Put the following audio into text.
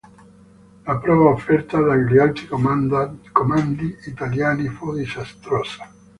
La prova offerta dagli alti comandi italiani fu disastrosa.